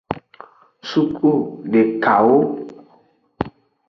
Suku dekawo.